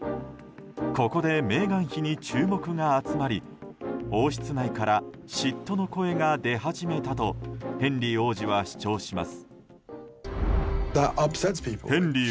ここでメーガン妃に注目が集まり王室内から嫉妬の声が出始めたとヘンリー王子は主張します。